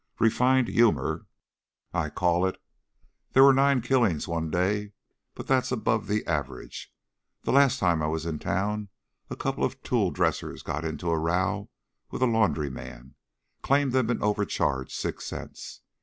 Refined humor, I call it.... There were nine killings one day, but that's above the average. The last time I was in town a couple of tool dressers got into a row with a laundryman claimed they'd been overcharged six cents.